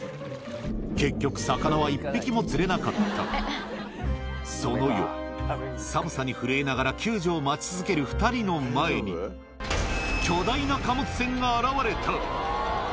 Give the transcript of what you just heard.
結局魚は１匹も釣れなかったその夜寒さに震えながら救助を待ち続ける２人の前に巨大な貨物船が現れた